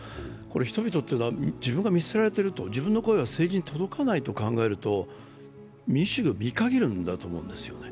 人々というのは自分が見捨てられていると自分の声が政治に届かないと感じると、民主主義を見限るものだと思うんですね。